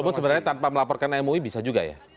meskipun sebenarnya tanpa melaporkan mui bisa juga ya